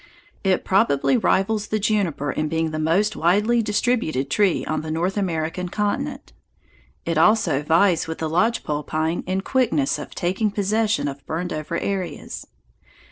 It probably rivals the juniper in being the most widely distributed tree on the North American continent. It also vies with the lodge pole pine in quickness of taking possession of burned over areas.